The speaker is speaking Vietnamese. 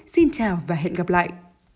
xin chào và hẹn gặp lại